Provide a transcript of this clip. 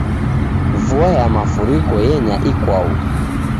Vua ya mafuriko yenya ikwau.